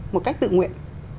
một cách tự nguyện